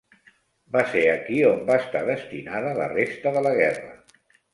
Va ser aquí on va estar destinada la resta de la guerra.